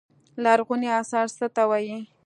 لرغوني اثار څه ته وايي.